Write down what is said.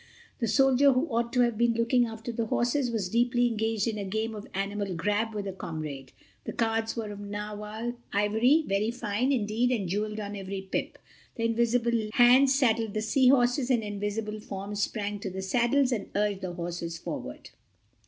The soldier who ought to have been looking after the horses was deeply engaged in a game of Animal Grab with a comrade. The cards were of narwhal ivory, very fine, indeed, and jeweled on every pip. The invisible hands saddled the Sea Horses and invisible forms sprang to the saddles, and urged the horses forward.